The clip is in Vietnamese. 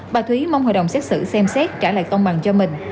bà thúy mong hội đồng xét xử xem xét trả lại công bằng cho mình